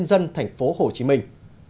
dân thành phố hồ chí minh